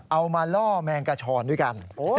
เอามาล่อแมงกระชรด้วยกัน